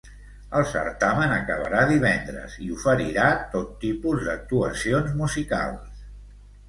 El certamen acabarà divendres i oferirà tot tipus d'actuacions musicals.